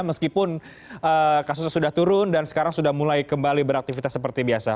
meskipun kasusnya sudah turun dan sekarang sudah mulai kembali beraktivitas seperti biasa